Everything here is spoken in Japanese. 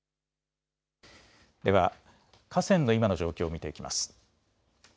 では、河川の今の状況を見ていきます。